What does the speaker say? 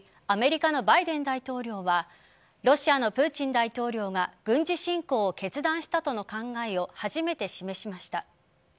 アメリカのバイデン大統領はロシアのプーチン大統領が軍事侵攻を決断したとの考えを初めて示しました。